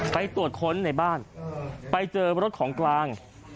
ไปตรวจค้นในบ้านไปเจอรถของกลาง